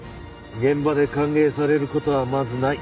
現場で歓迎される事はまずない。